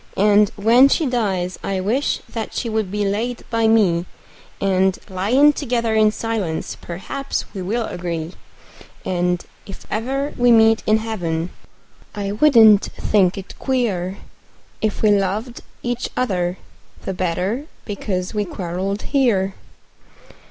And when she dies I wish that she would be laid by me, And, lyin' together in silence, perhaps we will agree; And, if ever we meet in heaven, I wouldn't think it queer If we loved each other the better because we quarreled here.